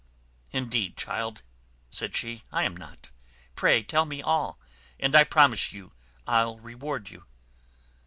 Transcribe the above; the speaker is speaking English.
"Indeed, child," said she, "I am not; pray tell me all, and I promise you I'll reward you."